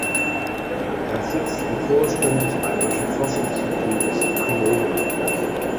Er sitzt im Vorstand des Bayerischen Forschungsverbundes Prionen.